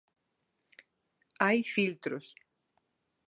Hai filtros.